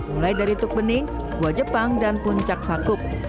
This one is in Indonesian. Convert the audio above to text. mulai dari tukbening kua jepang dan puncak sakup